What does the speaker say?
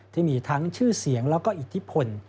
ที่มีทั้งชื่อเสียงแล้วก็อิทธิพล